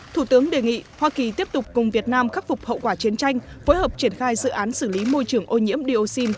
thủ tướng đề nghị hoa kỳ tiếp tục cùng việt nam khắc phục hậu quả chiến tranh phối hợp triển khai dự án xử lý môi trường ô nhiễm dioxin